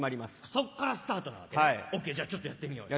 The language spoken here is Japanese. そっからスタートなわけねＯＫじゃあちょっとやってみようよ。